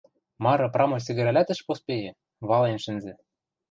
Мары прамой сӹгӹрӓлӓт ӹш поспейӹ, вален шӹнзӹ.